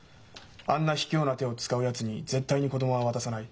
「あんなひきょうな手を使うやつに絶対に子供は渡さない。